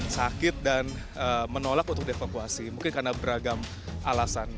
sakit dan menolak untuk dievakuasi mungkin karena beragam alasan